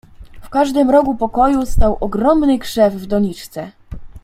"W każdym rogu pokoju stał ogromny krzew w doniczce."